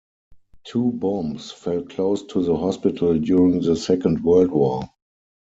Two bombs fell close to the hospital during the Second World War.